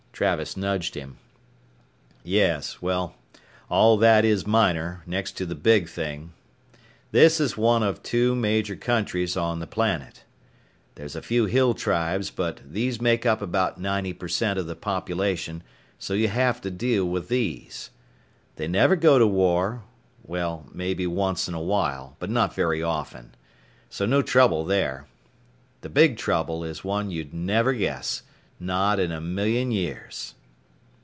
Travis nudged him. "Yes. Well, all that is minor, next to the big thing. This is one of two major countries on the planet. There's a few hill tribes but these make up about 90 percent of the population, so you have to deal with these. They never go to war, well maybe once in a while, but not very often. So no trouble there. The big trouble is one you'd never guess, not in a million years."